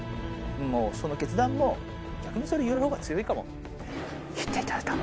もうその決断も、逆にそれ、言えるほうが強いかもって言っていただいた。